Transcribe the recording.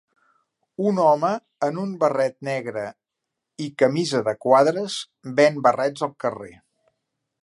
Un home en un barret negre i camisa de quadres ven barrets al carrer